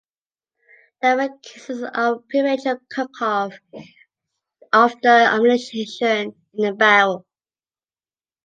There were cases of premature cook-off of the ammunition in the barrel.